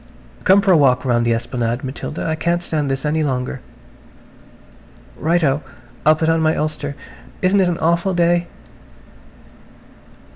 "Come for a walk round the esplanade, Matilda. I can't stand this any longer." "Right o. I'll put on my ulster. Isn't it an awful day!"